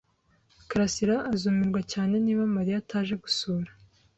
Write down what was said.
karasira azumirwa cyane niba Mariya ataje gusura.